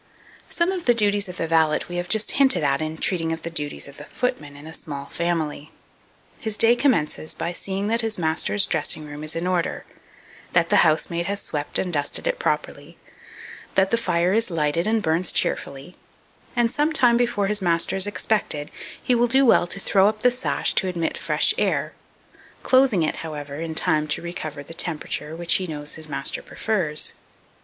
2235. Some of the duties of the valet we have just hinted at in treating of the duties of the footman in a small family. His day commences by seeing that his master's dressing room is in order; that the housemaid has swept and dusted it properly; that the fire is lighted and burns cheerfully; and some time before his master is expected, he will do well to throw up the sash to admit fresh air, closing it, however, in time to recover the temperature which he knows his master prefers.